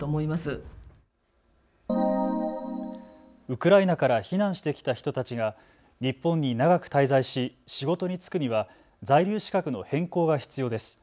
ウクライナから避難してきた人たちが日本に長く滞在し仕事に就くには在留資格の変更が必要です。